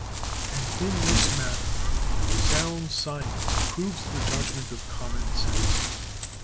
And in this matter sound science approves the judgment of common sense.